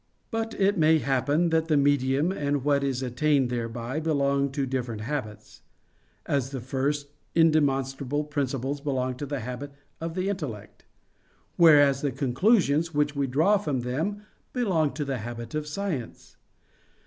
But it may happen that the medium and what is attained thereby belong to different habits: as the first indemonstrable principles belong to the habit of the intellect; whereas the conclusions which we draw from them belong to the habit of science.